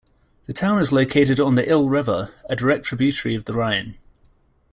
The town is located on the Ill River, a direct tributary of the Rhine.